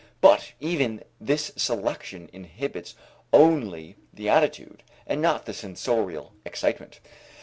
But even this selection inhibits only the attitude and not the sensorial excitement.